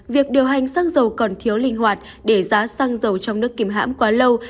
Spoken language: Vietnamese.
việc điều hành xăng dầu còn thiếu linh hoạt để giá xăng dầu trong nước kìm hãm quá lâu